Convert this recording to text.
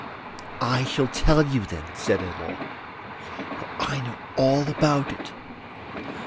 'I shall tell you then,' said Olof, 'for I know all about it.